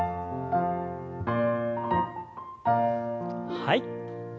はい。